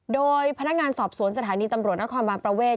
โดยพนักงานสอบสวนสถานีตำรวจนครบานประเวท